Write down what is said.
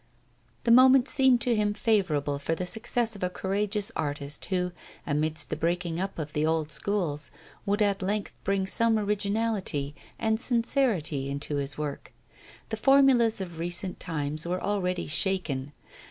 The moment seemed to him favourable for the success of a courageous artist who, amidst the breaking up of the old schools, would at length bring some originality and sincerity into his work. The formulas of recent times were already shaken.